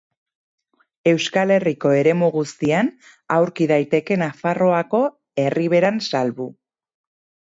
Euskal Herriko eremu guztian aurki daiteke Nafarroako Erriberan salbu.